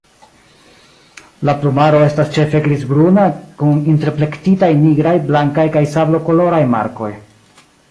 La plumaro estas ĉefe grizbruna kun interplektitaj nigraj, blankaj kaj sablokoloraj markoj.